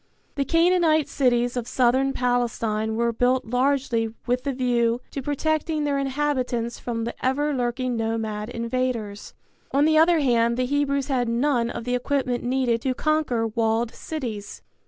The Canaanite cities of Southern Palestine were built largely with the view to protecting their inhabitants from the ever lurking nomad invaders. On the other hand the Hebrews had none of the equipment needed to conquer walled cities.